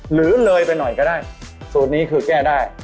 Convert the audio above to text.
หรือเลยไปหน่อยก็ได้สูตรนี้คือแก้ได้